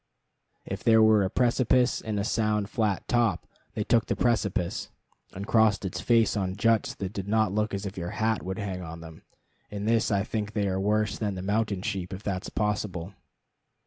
If there were a precipice and a sound flat top, they took the precipice, and crossed its face on juts that did not look as if your hat would hang on them. In this I think they are worse than the mountain sheep, if that is possible.